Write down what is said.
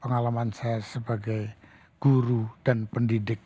pengalaman saya sebagai guru dan pendidik